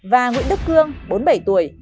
và nguyễn đức cương bốn mươi bảy tuổi